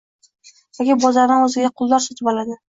yoki bozordan o‘ziga quldor sotib oladi”.